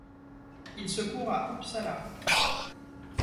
Il se court à Uppsala.